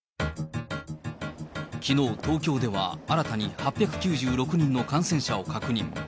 きのう、東京では新たに８９６人の感染者を確認。